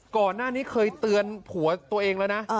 ก่อนหน้านี้เคยเตือนผัวตัวเองแล้วนะ